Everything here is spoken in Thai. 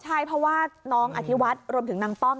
ใช่เพราะว่าน้องอธิวัฒน์รวมถึงนางป้อม